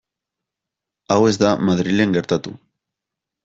Hau ez da Madrilen gertatu.